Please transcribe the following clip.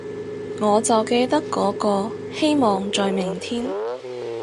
我就記得嗰個，希望在明天